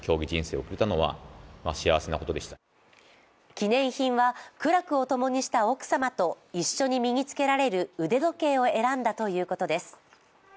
記念品は苦楽をともにした奥様と一緒に身に付けられる腕時計を選んだということです。